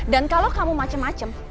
dan kalau kamu macem macem